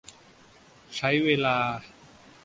ใช้เวลา